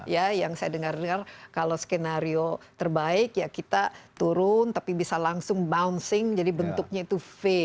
ya yang saya dengar dengar kalau skenario terbaik ya kita turun tapi bisa langsung bouncing jadi bentuknya itu v